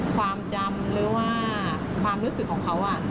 ความจำหรือว่าความรู้สึกของเขา